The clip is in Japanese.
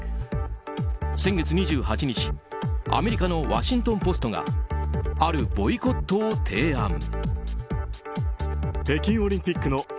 先月２８日アメリカのワシントン・ポストがあるボイコットを提案。